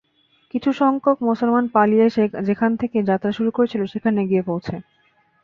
কিছু সংখ্যক মুসলমান পালিয়ে যেখান থেকে যাত্রা শুরু করেছিল সেখানে গিয়ে পৌঁছে।